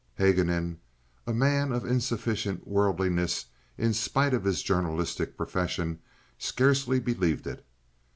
Haguenin, a man of insufficient worldliness in spite of his journalistic profession, scarcely believed it.